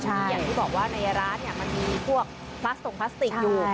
อย่างที่บอกว่าในร้านมันมีพวกพลาสตรงพลาสติกอยู่